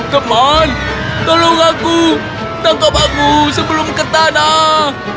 teman tolong aku tangkap aku sebelum ke tanah